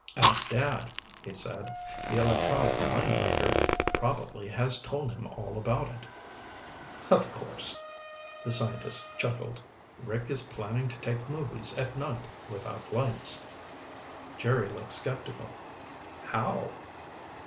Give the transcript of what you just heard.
"Ask Dad," he said. "The electronic mind reader probably has told him all about it." "Of course." The scientist chuckled. "Rick is planning to take movies at night without lights." Jerry looked skeptical. "How?"